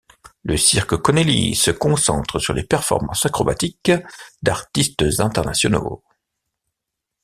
Le cirque Conelli se concentre sur les performances acrobatiques d'artistes internationaux.